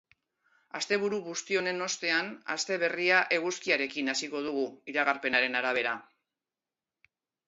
Asteburu busti honen ostean aste berria eguzkiarekin hasiko dugu, iragarpenaren arabera.